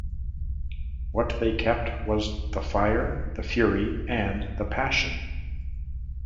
What they kept was the fire, the fury, and the passion.